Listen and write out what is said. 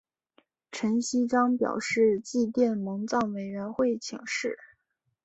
陈锡璋表示即电蒙藏委员会请示。